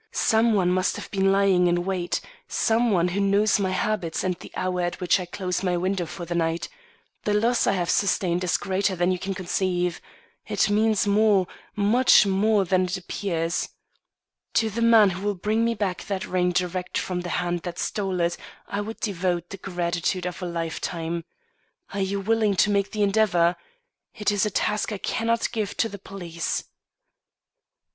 Some one must have been lying in wait; some one who knows my habits and the hour at which I close my window for the night. The loss I have sustained is greater than you can conceive. It means more, much more, than appears. To the man who will bring me back that ring direct from the hand that stole it, I would devote the gratitude of a lifetime. Are you willing to make the endeavor? It is a task I cannot give to the police."